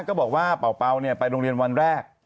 ก็บอกว่าเป่าไปโรงเรียนวันแรก